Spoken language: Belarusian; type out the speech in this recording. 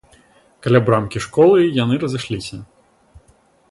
Каля брамкі школы яны разышліся.